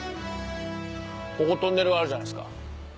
ここトンネルあるじゃないですか。